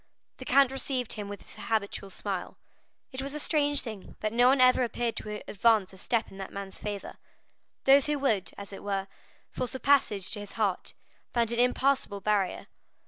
The count received him with his habitual smile. It was a strange thing that no one ever appeared to advance a step in that man's favor. Those who would, as it were, force a passage to his heart, found an impassable barrier.